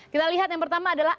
kita lihat yang pertama adalah